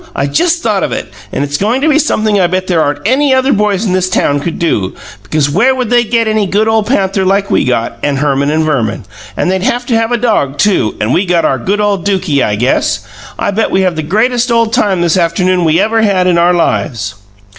I just thought of it, and it's goin' to be sumpthing I bet there aren't any other boys in this town could do, because where would they get any good ole panther like we got, and Herman and Verman? And they'd haf to have a dog, too and we got our good ole Dukie, I guess. I bet we have the greatest ole time this afternoon we ever had in our lives!"